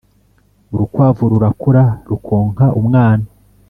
urukwavu rurakura rukonka umwana